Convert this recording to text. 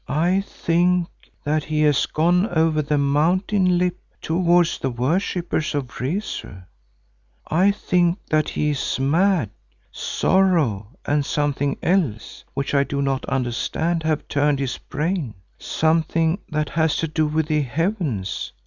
"I think that he has gone over the mountain lip towards the worshippers of Rezu. I think that he is mad; sorrow and something else which I do not understand have turned his brain; something that has to do with the Heavens.